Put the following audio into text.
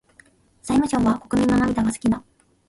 財務省は国民の涙が好きだ。